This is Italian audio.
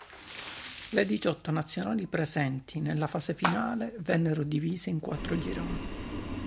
Le diciotto nazionali presenti alla fase finale vennero divise in quattro gironi.